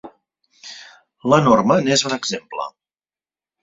La norma n'és un exemple.